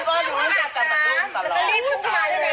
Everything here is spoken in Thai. ฉันว่าเพื่อนก็บ่อยเรื่องของนั่น